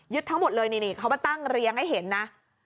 ทั้งหมดเลยนี่เขามาตั้งเรียงให้เห็นนะ